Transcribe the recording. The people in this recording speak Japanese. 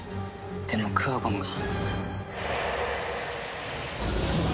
でもクワゴンが。